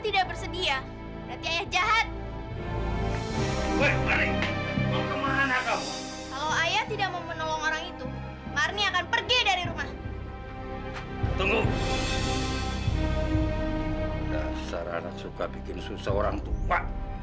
dasar anak suka bikin susah orang tua